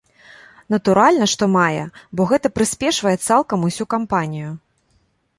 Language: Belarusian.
Натуральна, што мае, бо гэта прыспешвае цалкам усю кампанію.